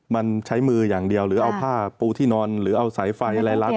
มันใช้มืออย่างเดียวหรือเอาผ้าปูที่นอนหรือเอาสายไฟอะไรรัด